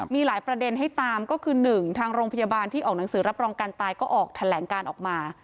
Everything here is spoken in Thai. มีหลายประเด็นให้ตามก็คือ๑ทางโรงพยาบาลที่ออกหนังสือรับรองการตายก็ออกแถลงการออกมา